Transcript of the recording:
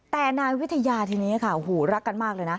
แต่นายวิทยาทีนี้ค่ะหูรักกันมากเลยนะ